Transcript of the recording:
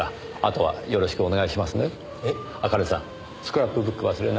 「はい」